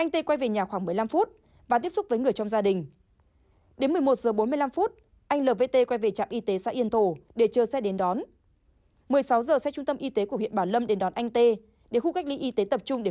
trong lúc chờ xe trung tâm y tế huyện bảo lâm đến đón đi cách ly y tế tập trung